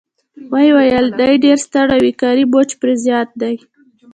ویې ویل: دی ډېر ستړی وي، کاري بوج پرې زیات دی.